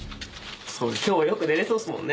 今日はよく寝れそうっすもんね。